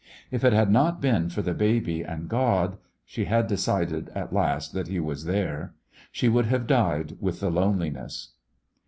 If it had not been for the baby and God — she had decided at last that He was there — she would have died with the loneliness.